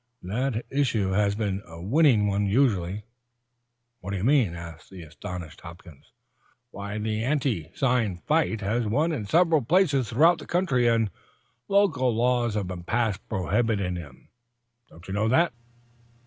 "That issue has been a winning one usually." "What do you mean?" asked the astonished Hopkins. "Why, the anti sign fight has won in several places throughout the country, and local laws have been passed prohibiting them. Didn't you know that?"